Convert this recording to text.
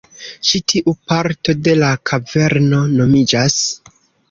Ĉi tiu parto de la kaverno nomiĝas